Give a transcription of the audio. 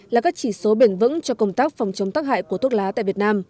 là các chỉ số bền vững cho công tác phòng chống tắc hại của thuốc lá tại việt nam